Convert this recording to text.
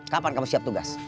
kapan kamu siap tugas